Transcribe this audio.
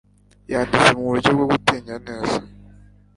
Yanditse muburyo bwo gutinya neza